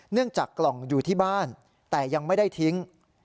จากกล่องอยู่ที่บ้านแต่ยังไม่ได้ทิ้ง